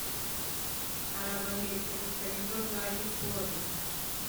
Arabahetse Rutarindwa, rwa Gikore